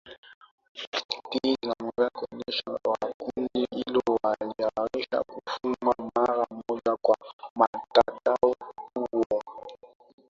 ti zinatualifu kwamba viongozi wa kundi hilo waliamrisha kufungwa mara moja kwa mtandao huo